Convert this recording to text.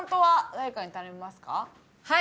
はい。